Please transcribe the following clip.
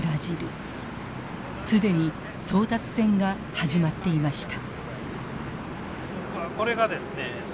既に争奪戦が始まっていました。